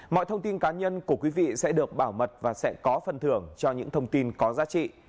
mọi thông tin cá nhân của quý vị sẽ được bảo mật và sẽ có phần thưởng cho những thông tin có giá trị